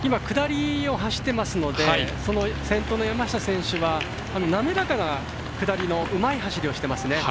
下りを走ってますのでその先頭の山下選手は滑らかな下りのうまい走りをしています。